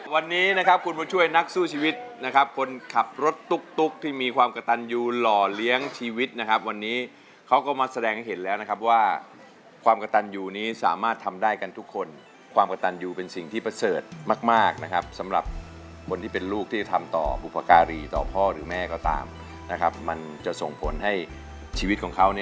วันนี้นะครับคุณบุญช่วยนักสู้ชีวิตนะครับคนขับรถตุ๊กที่มีความกระตันยูหล่อเลี้ยงชีวิตนะครับวันนี้เขาก็มาแสดงให้เห็นแล้วนะครับว่าความกระตันอยู่นี้สามารถทำได้กันทุกคนความกระตันยูเป็นสิ่งที่ประเสริฐมากนะครับสำหรับคนที่เป็นลูกที่ทำต่อบุปการีต่อพ่อหรือแม่ก็ตามนะครับมันจะส่งผลให้ชีวิตของเขา